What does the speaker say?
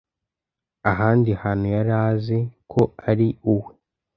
ahandi hantu yari azi ko ari uwe